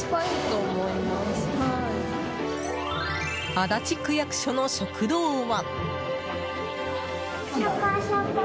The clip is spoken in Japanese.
足立区役所の食堂は。